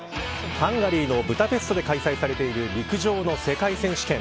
ハンガリーのブダペストで開催されている陸上の世界選手権。